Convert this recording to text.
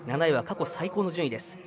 ７位は過去最高の順位です。